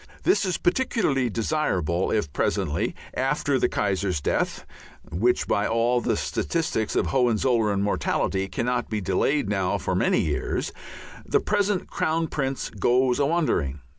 This is particularly desirable if presently, after the Kaiser's death which by all the statistics of Hohenzollern mortality cannot be delayed now for many years the present Crown Prince goes a wandering.